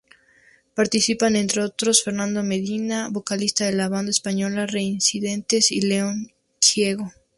Participan entre otros Fernando Madina, vocalista de la banda española Reincidentes y León Gieco.